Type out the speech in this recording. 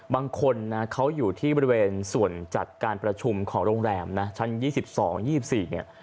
บางคนนะเขาอยู่ที่บริเวณส่วนจัดการประชุมของโรงแรมนะชั้น๒๒๒๔เนี่ย